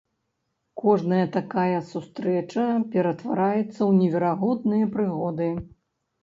Кожная такая сустрэча ператвараецца ў неверагодныя прыгоды!